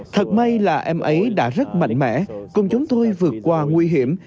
thật may là em ấy đã rất mạnh mẽ cùng chúng tôi vượt qua nguy hiểm